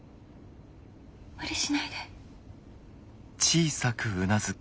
無理しないで。